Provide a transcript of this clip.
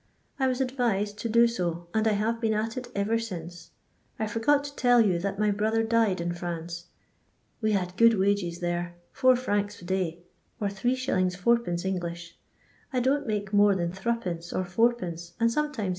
I was advised to do so, and I have been at it ever since. I forgot to toll you that my brother died in France. We had ffood wages there, four francs a day, or S«. id. English ; I don't make more than 3d. or id. and sometimes 6d.